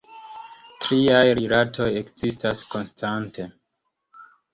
Tiaj rilatoj ekzistas konstante.